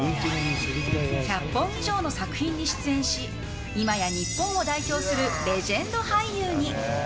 １００本以上の作品に出演し今や日本を代表するレジェンド俳優に。